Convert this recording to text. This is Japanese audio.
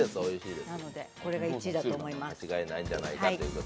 なので、これが１位だと思います。